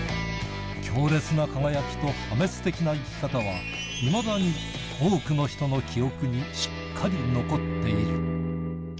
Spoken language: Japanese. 強烈な輝きと破滅的な生き方は、いまだに多くの人の記憶にしっかり残っている。